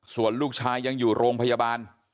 ส่วนลูกชายยังอยู่โรงพยาบาล